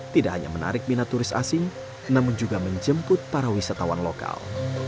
tidak hanya menarik minat turis asing namun juga menjemput para wisatawan lokal